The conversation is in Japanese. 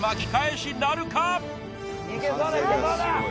行けそうだ行けそうだ！